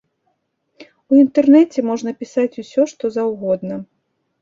У інтэрнэце можна пісаць усё што заўгодна.